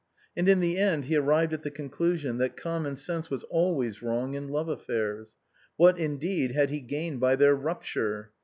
And in the end he arrived at the conclusion that com mon sense was always wrong in love affairs. What, in deed, had he gained by their rupture?